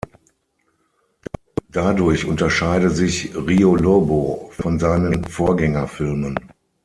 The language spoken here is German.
Dadurch unterscheide sich "Rio Lobo" von seinen Vorgängerfilmen.